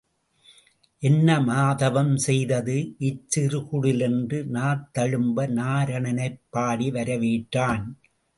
என்ன மாதவம் செய்தது இச்சிறு குடில் என்று நாத்தழும்ப நாரணனைப் பாடி வரவேற்றான்.